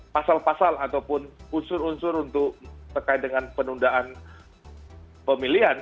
pasal pasal ataupun unsur unsur untuk terkait dengan penundaan pemilihan